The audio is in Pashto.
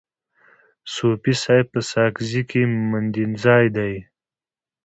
صوفي صاحب په ساکزی کي مندینزای دی.